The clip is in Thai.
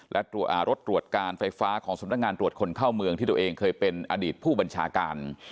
และรถตรวจการไฟฟ้าของสำนักงานตรวจคนเข้าเมืองที่ตัวเองเคยเป็นอดีตผู้บัญชาการ